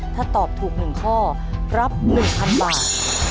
ถ้าตอบถูก๑ข้อรับ๑๐๐๐บาท